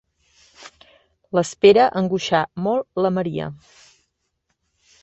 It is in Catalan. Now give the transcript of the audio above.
L'espera angoixà molt la Maria.